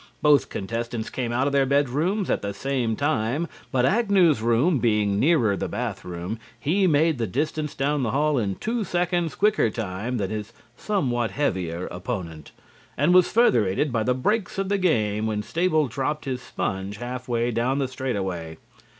Both contestants came out of their bed rooms at the same time, but Agnew's room being nearer the bath room, he made the distance down the hall in two seconds quicker time than his somewhat heavier opponent, and was further aided by the breaks of the game when Stable dropped his sponge half way down the straightaway.